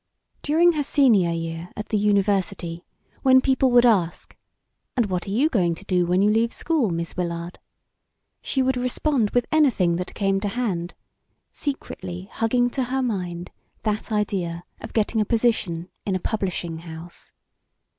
During her senior year at the university, when people would ask: "And what are you going to do when you leave school, Miss Willard?" she would respond with anything that came to hand, secretly hugging to her mind that idea of getting a position in a publishing house.